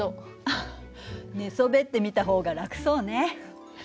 アハッ寝そべって見た方が楽そうね。